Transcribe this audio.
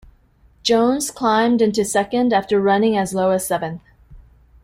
Jones climbed into second after running as low as seventh.